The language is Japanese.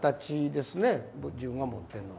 自分が持ってんのは。